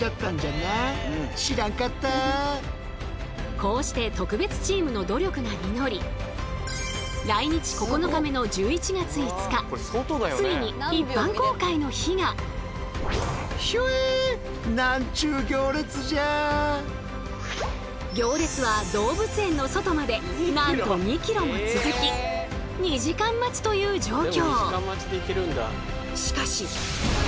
こうして特別チームの努力が実り来日９日目の行列は動物園の外までなんと２ｋｍも続き２時間待ちという状況。